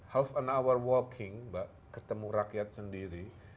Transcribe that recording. half and hour walking mbak ketemu rakyat sendiri